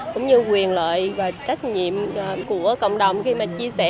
cũng như quyền lợi và trách nhiệm của cộng đồng khi mình chia sẻ